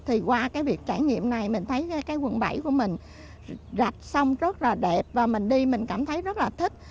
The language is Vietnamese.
thì qua cái việc trải nghiệm này mình thấy cái quận bảy của mình rạch sông rất là đẹp và mình đi mình cảm thấy rất là thích